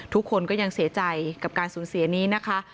ทุกคนก็ยังเสียใจกับการสูญเสียนี้นะคะ